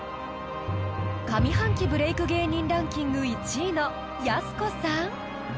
［上半期ブレーク芸人ランキング１位のやす子さん？］